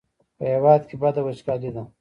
په هېواد کې بده وچکالي ده.